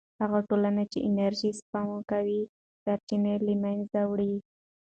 هغه ټولنه چې انرژي سپما کوي، سرچینې نه له منځه وړي.